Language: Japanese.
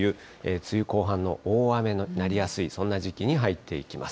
梅雨後半の大雨になりやすい、そんな時期に入っていきます。